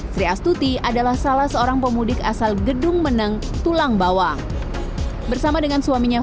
sri astuti adalah salah seorang pemudik asal gedung meneng tulang bawang bersama dengan suaminya